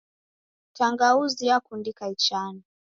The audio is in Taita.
Tangauzi yakundika ichano.